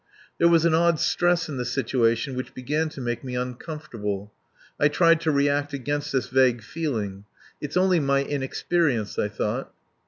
There was an odd stress in the situation which began to make me uncomfortable. I tried to react against this vague feeling. "It's only my inexperience," I thought.